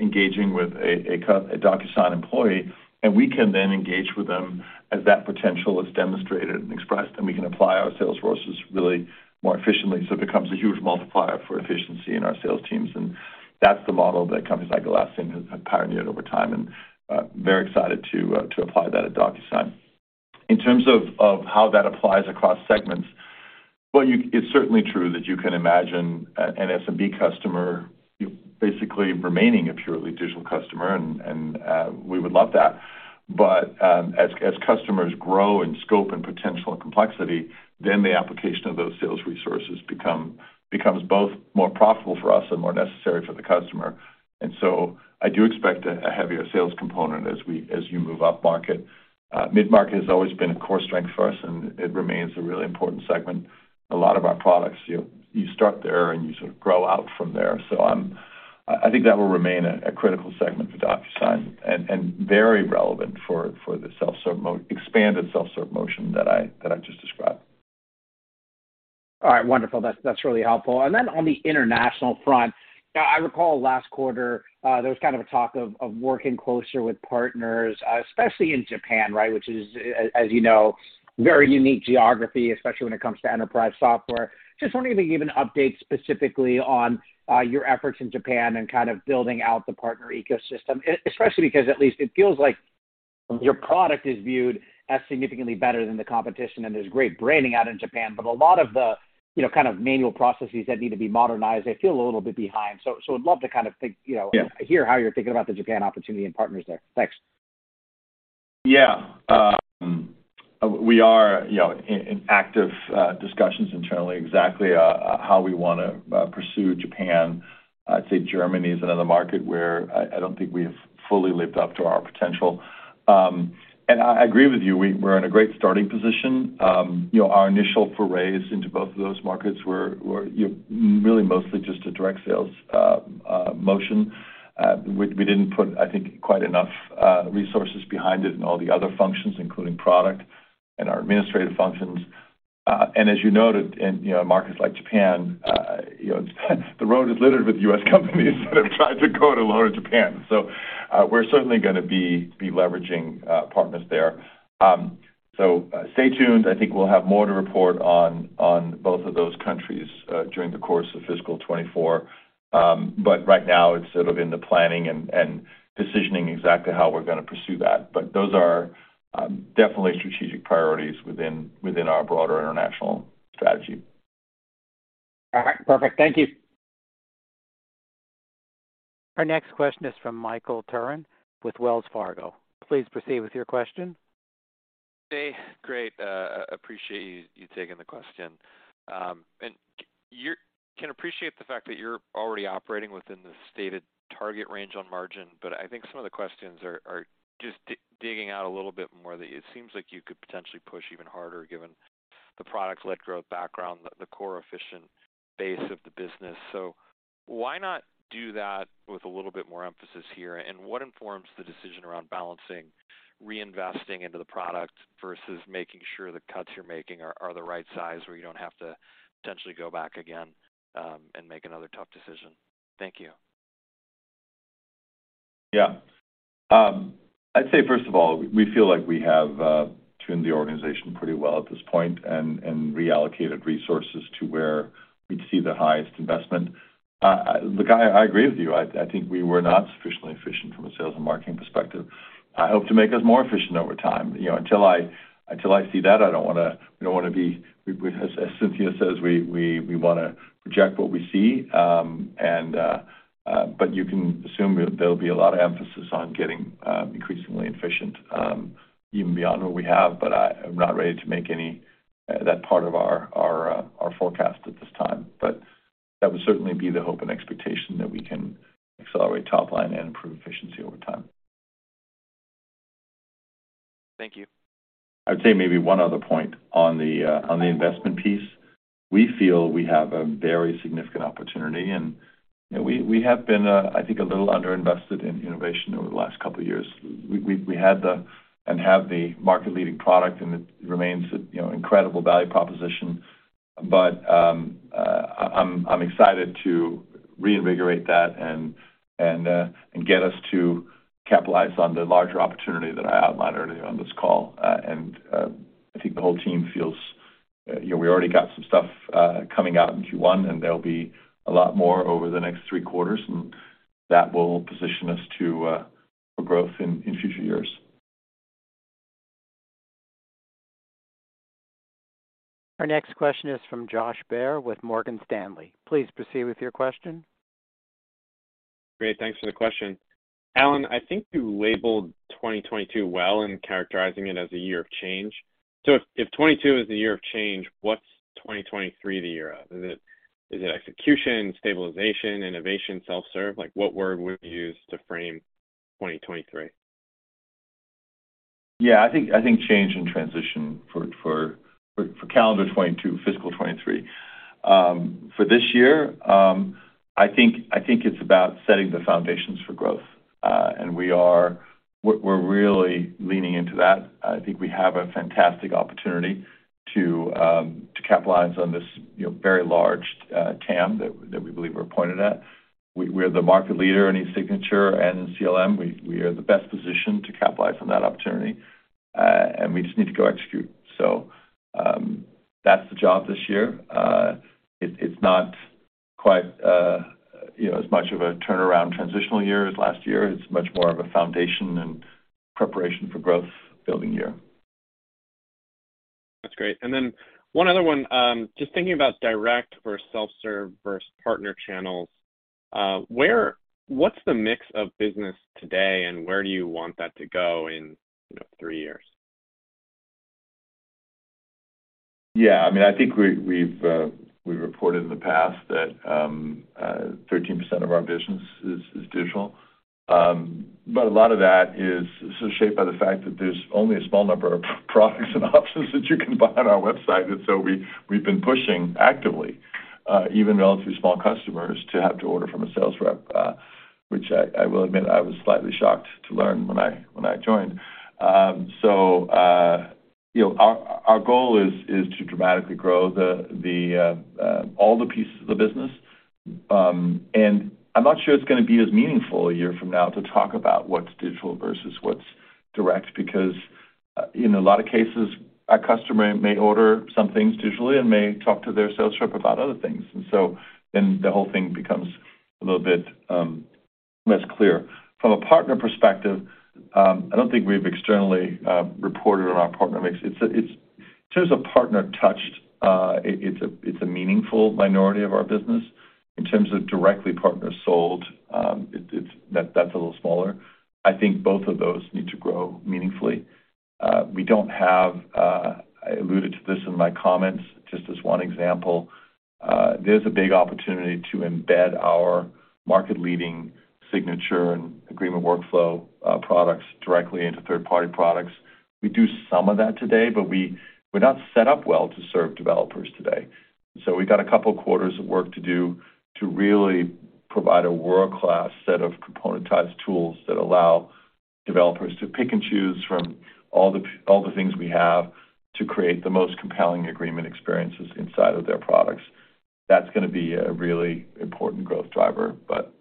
engaging with a DocuSign employee. We can then engage with them as that potential is demonstrated and expressed, and we can apply our sales forces really more efficiently, so it becomes a huge multiplier for efficiency in our sales teams. That's the model that companies like Atlassian have pioneered over time, and very excited to apply that at DocuSign. In terms of how that applies across segments, well, it's certainly true that you can imagine an SMB customer, basically remaining a purely digital customer and we would love that. As customers grow in scope and potential and complexity, then the application of those sales resources becomes both more profitable for us and more necessary for the customer. I do expect a heavier sales component as you move up market. Mid-market has always been a core strength for us, and it remains a really important segment. A lot of our products, you start there, and you sort of grow out from there. I think that will remain a critical segment for DocuSign and very relevant for the self-serve expanded self-serve motion that I just described. All right. Wonderful. That's really helpful. On the international front, I recall last quarter, there was kind of a talk of working closer with partners, especially in Japan, right? Which is, as you know, very unique geography, especially when it comes to enterprise software. Just wondering if you can give an update specifically on your efforts in Japan and kind of building out the partner ecosystem, especially because at least it feels like your product is viewed as significantly better than the competition and there's great branding out in Japan. A lot of the, you know, kind of manual processes that need to be modernized, they feel a little bit behind. I'd love to kind of think, you know- Yeah. -hear how you're thinking about the Japan opportunity and partners there? Thanks. Yeah. We are, you know, in active discussions internally exactly how we wanna pursue Japan. I'd say Germany is another market where I don't think we have fully lived up to our potential. I agree with you. We're in a great starting position. You know, our initial forays into both of those markets were, you know, really mostly just a direct sales motion. We didn't put, I think, quite enough resources behind it and all the other functions, including product and our administrative functions. As you noted in, you know, markets like Japan, you know, the road is littered with US companies that have tried to go it alone in Japan. We're certainly gonna be leveraging partners there. Stay tuned. I think we'll have more to report on both of those countries during the course of fiscal 2024. Right now it's sort of in the planning and decisioning exactly how we're gonna pursue that. Those are definitely strategic priorities within our broader international strategy. All right. Perfect. Thank you. Our next question is from Michael Turrin with Wells Fargo. Please proceed with your question. Hey, great. appreciate you taking the question. can appreciate the fact that you're already operating within the stated target range on margin, but I think some of the questions are just digging out a little bit more that it seems like you could potentially push even harder given the product-led growth background, the core efficient base of the business. Why not do that with a little bit more emphasis here? What informs the decision around balancing reinvesting into the product versus making sure the cuts you're making are the right size where you don't have to potentially go back again and make another tough decision? Thank you. Yeah. I'd say first of all, we feel like we have tuned the organization pretty well at this point and reallocated resources to where we'd see the highest investment. Look, I agree with you. I think we were not sufficiently efficient from a sales and marketing perspective. I hope to make us more efficient over time. You know, until I see that, I don't wanna, we don't wanna be. As Cynthia says, we wanna project what we see. You can assume there'll be a lot of emphasis on getting increasingly efficient even beyond what we have. I'm not ready to make any that part of our forecast at this time. That would certainly be the hope and expectation that we can accelerate top line and improve efficiency over time. Thank you. I'd say maybe one other point on the investment piece. We feel we have a very significant opportunity. You know, we have been, I think a little underinvested in innovation over the last couple years. We had the, and have the market-leading product. It remains a, you know, incredible value proposition. I'm excited to reinvigorate that and get us to capitalize on the larger opportunity that I outlined earlier on this call. I think the whole team feels, you know, we already got some stuff coming out in Q1, and there'll be a lot more over the next three quarters, and that will position us to for growth in future years. Our next question is from Josh Baer with Morgan Stanley. Please proceed with your question. Great. Thanks for the question. Allan, I think you labeled 2022 well in characterizing it as a year of change. If '22 is the year of change, what's 2023 the year of? Is it execution, stabilization, innovation, self-serve? Like, what word would you use to frame 2023? I think change and transition for calendar 2022, fiscal 2023. For this year, I think it's about setting the foundations for growth, and we're really leaning into that. I think we have a fantastic opportunity to capitalize on this, you know, very large TAM that we believe we're pointed at. We're the market leader in eSignature and CLM. We are the best positioned to capitalize on that opportunity, and we just need to go execute. That's the job this year. It's not quite, you know, as much of a turnaround transitional year as last year. It's much more of a foundation and preparation for growth building year. That's great. One other one. Just thinking about direct versus self-serve versus partner channels, what's the mix of business today, where do you want that to go in, you know, three years? Yeah. I mean, I think we've reported in the past that 13% of our business is digital. A lot of that is sort of shaped by the fact that there's only a small number of products and options that you can buy on our website. We've been pushing actively even relatively small customers to have to order from a sales rep, which I will admit I was slightly shocked to learn when I joined. You know, our goal is to dramatically grow the all the pieces of the business. I'm not sure it's gonna be as meaningful a year from now to talk about what's digital versus what's direct, because in a lot of cases, our customer may order some things digitally and may talk to their sales rep about other things. The whole thing becomes a little bit less clear. From a partner perspective, I don't think we've externally reported on our partner mix. In terms of partner touched, it's a meaningful minority of our business. In terms of directly partner sold, that's a little smaller. I think both of those need to grow meaningfully. We don't have, I alluded to this in my comments, just as one example. There's a big opportunity to embed our market-leading signature and agreement workflow products directly into third-party products. We do some of that today, but we're not set up well to serve developers today. We've got a couple quarters of work to do to really provide a world-class set of componentized tools that allow developers to pick and choose from all the things we have to create the most compelling agreement experiences inside of their products. That's gonna be a really important growth driver, but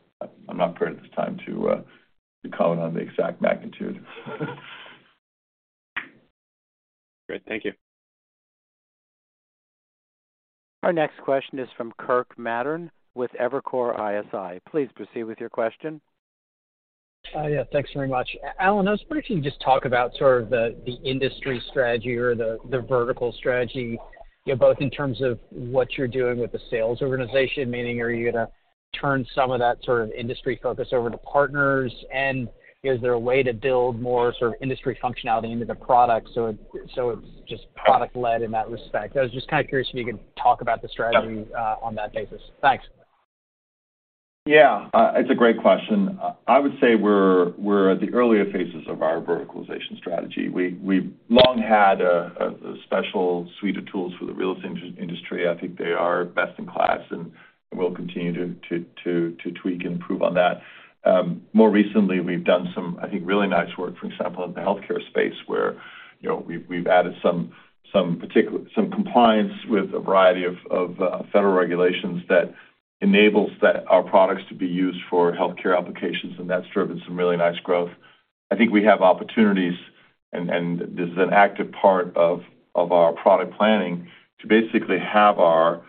I'm not prepared at this time to comment on the exact magnitude. Great. Thank you. Our next question is from Kirk Materne with Evercore ISI. Please proceed with your question. Yeah. Thanks very much. Allan, I was wondering if you can just talk about sort of the industry strategy or the vertical strategy, you know, both in terms of what you're doing with the sales organization, meaning are you gonna turn some of that sort of industry focus over to partners? Is there a way to build more sort of industry functionality into the product so it's just product-led in that respect? I was just kinda curious if you could talk about the strategy. Yeah. On that basis. Thanks. Yeah. It's a great question. I would say we're at the earlier phases of our verticalization strategy. We've long had a special suite of tools for the real estate industry. I think they are best in class, and we'll continue to tweak and improve on that. More recently, we've done some, I think, really nice work, for example, in the healthcare space, where, you know, we've added some compliance with a variety of federal regulations that enables our products to be used for healthcare applications, and that's driven some really nice growth. I think we have opportunities, and this is an active part of our product planning, to basically have our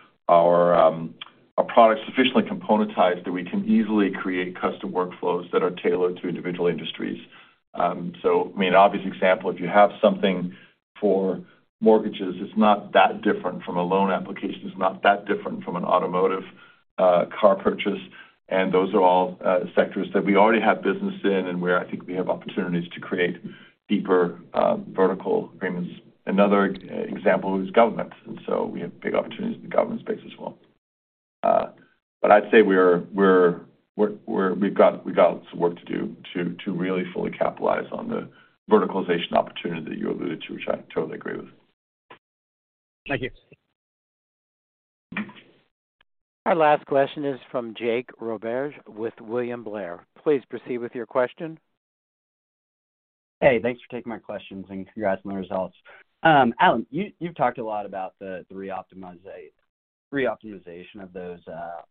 products sufficiently componentized that we can easily create custom workflows that are tailored to individual industries. I mean, obvious example, if you have something for mortgages, it's not that different from a loan application. It's not that different from an automotive, car purchase. Those are all sectors that we already have business in and where I think we have opportunities to create deeper, vertical agreements. Another e-example is government. We have big opportunities in the government space as well. I'd say we've got some work to do to really fully capitalize on the verticalization opportunity that you alluded to, which I totally agree with. Thank you. Our last question is from Jake Roberge with William Blair. Please proceed with your question. Hey, thanks for taking my questions and congrats on the results. Allan, you've talked a lot about the reoptimization of those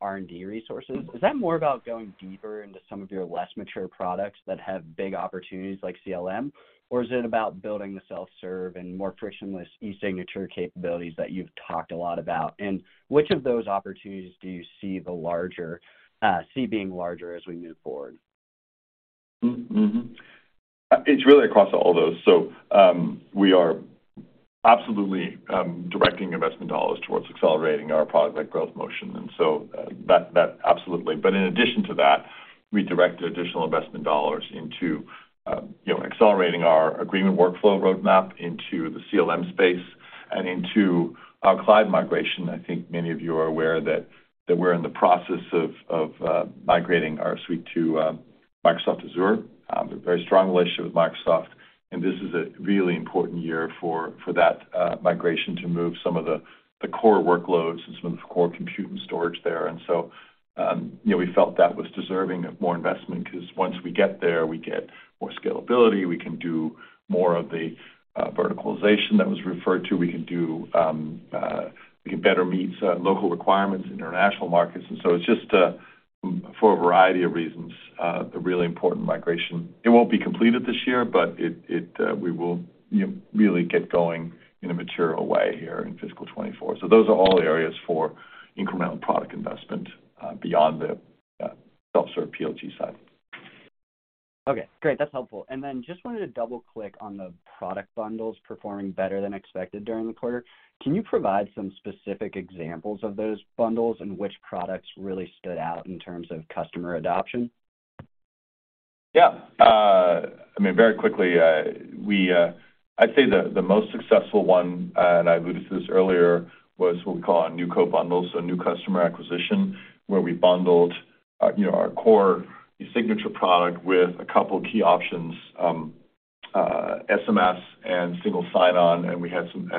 R&D resources. Is that more about going deeper into some of your less mature products that have big opportunities like CLM? Or is it about building the self-serve and more frictionless eSignature capabilities that you've talked a lot about? Which of those opportunities do you see being larger as we move forward? It's really across all those. We are absolutely directing investment dollars towards accelerating our product-led growth motion, that absolutely. In addition to that, we direct additional investment dollars into, you know, accelerating our agreement workflow roadmap into the CLM space and into our cloud migration. I think many of you are aware that we're in the process of migrating our suite to Microsoft Azure. A very strong relationship with Microsoft, and this is a really important year for that migration to move some of the core workloads and some of the core compute and storage there. You know, we felt that was deserving of more investment because once we get there, we get more scalability, we can do more of the verticalization that was referred to. We can do, we can better meet, local requirements in international markets. It's just, for a variety of reasons, a really important migration. It won't be completed this year, but it, we will, you know, really get going in a material way here in fiscal 2024. Those are all areas for incremental product investment, beyond the, self-serve PLG side. Okay, great. That's helpful. Just wanted to double-click on the product bundles performing better than expected during the quarter. Can you provide some specific examples of those bundles and which products really stood out in terms of customer adoption? Yeah. I mean, very quickly, we, I'd say the most successful one, and I alluded to this earlier, was what we call our NewCo bundles, so new customer acquisition, where we bundled, you know, our core eSignature product with a couple of key options, SMS and single sign-on, and we had some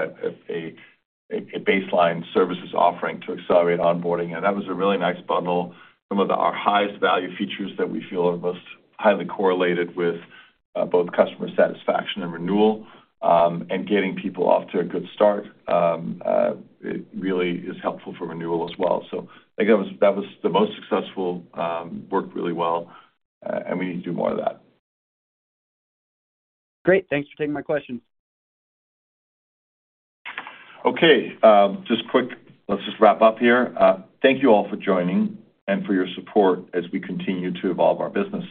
a baseline services offering to accelerate onboarding. That was a really nice bundle. Our highest value features that we feel are most highly correlated with, both customer satisfaction and renewal, and getting people off to a good start, it really is helpful for renewal as well. I think that was, that was the most successful, worked really well, and we need to do more of that. Great. Thanks for taking my question. Okay, just quick. Let's just wrap up here. Thank you all for joining and for your support as we continue to evolve our business.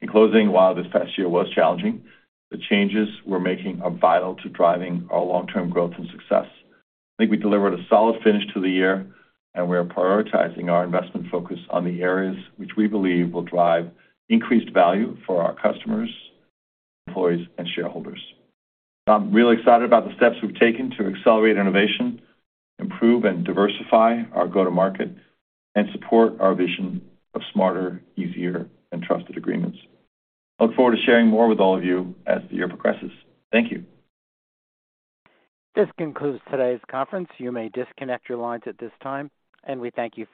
In closing, while this past year was challenging, the changes we're making are vital to driving our long-term growth and success. I think we delivered a solid finish to the year, and we are prioritizing our investment focus on the areas which we believe will drive increased value for our customers, employees, and shareholders. I'm really excited about the steps we've taken to accelerate innovation, improve and diversify our go-to market and support our vision of smarter, easier, and trusted agreements. I look forward to sharing more with all of you as the year progresses. Thank you. This concludes today's conference. You may disconnect your lines at this time, and we thank you for.